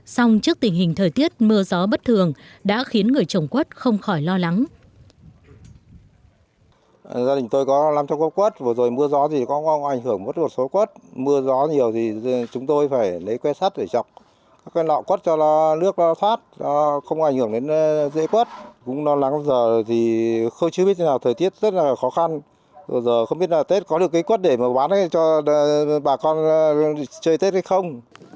song trước tình hình thời tiết mưa gió bất thường đã khiến người trồng quất không khỏi lo lắng